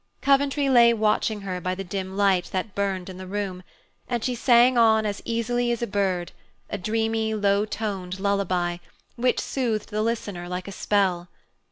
Coventry lay watching her by the dim light that burned in the room, and she sang on as easily as a bird, a dreamy, low toned lullaby, which soothed the listener like a spell.